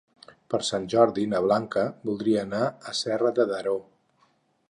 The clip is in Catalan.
Per Sant Jordi na Blanca voldria anar a Serra de Daró.